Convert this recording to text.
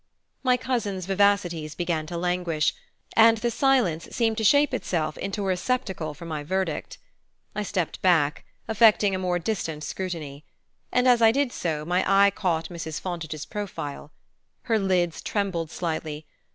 My cousin's vivacities began to languish and the silence seemed to shape itself into a receptacle for my verdict. I stepped back, affecting a more distant scrutiny; and as I did so my eye caught Mrs. Fontage's profile. Her lids trembled slightly.